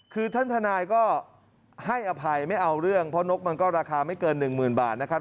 คือท่านทนายก็ให้อภัยไม่เอาเรื่องเพราะนกมันก็ราคาไม่เกินหนึ่งหมื่นบาทนะครับ